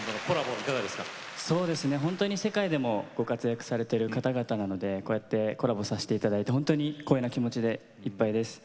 世界でもご活躍されている方々なのでこうやってコラボさせていただいて本当に光栄な気持ちでいっぱいです。